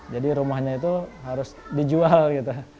jadi rumahnya itu harus dijual gitu